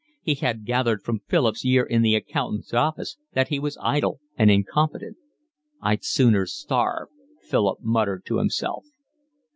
He had gathered from Philip's year in the accountant's office that he was idle and incompetent. "I'd sooner starve," Philip muttered to himself.